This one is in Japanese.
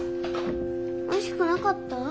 おいしくなかった？